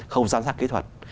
khâu giám sát kỹ thuật